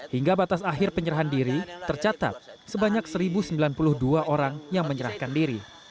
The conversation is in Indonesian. hingga batas akhir penyerahan diri tercatat sebanyak satu sembilan puluh dua orang yang menyerahkan diri